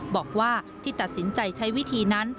บอกว่าที่ตัดสินใจใช้วิธีนั้น